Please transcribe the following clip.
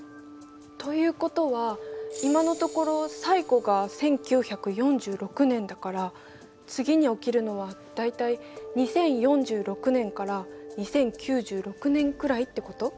ということは今のところ最後が１９４６年だから次に起きるのは大体２０４６年から２０９６年くらいってこと？